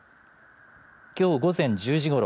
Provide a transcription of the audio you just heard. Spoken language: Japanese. きょう午前１０時ごろ